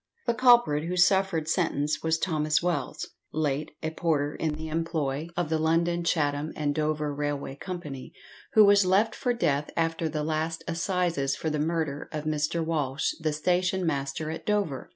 The culprit who suffered sentence was Thomas Wells, late a porter in the employ of the London, Chatham, and Dover Railway Company, who was left for death after the last assizes for the murder of Mr. Walsh, the station master at Dover.